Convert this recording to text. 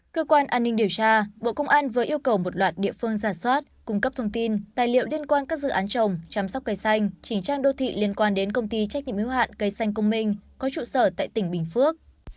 cơ quan an ninh điều tra bộ công an vừa yêu cầu một loạt địa phương giả soát cung cấp thông tin tài liệu liên quan các dự án trồng chăm sóc cây xanh chỉnh trang đô thị liên quan đến công ty trách nhiệm yếu hạn cây xanh công minh có trụ sở tại tỉnh bình phước